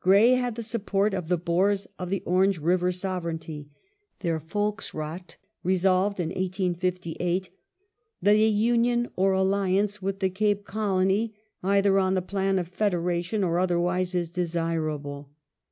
Grey had the support of the Boei s of the Orange River Sovereignty. Their Volksraad resolved in 1858 " that a union or alliance with the Cape Colony, either on the plan of federation or otherwise, is desirable